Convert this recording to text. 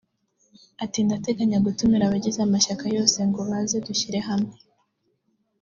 ati “Ndateganya gutumira abagize amashyaka yose ngo baze dushyire hamwe